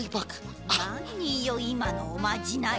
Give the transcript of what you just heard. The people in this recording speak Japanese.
なによいまのおまじない。